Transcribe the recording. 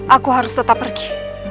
aku harus tetap pergi